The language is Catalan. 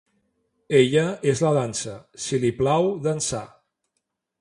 Ella és la dansa, si li plau dansar.